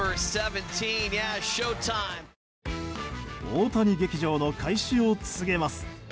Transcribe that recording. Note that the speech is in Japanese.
大谷劇場の開始を告げます。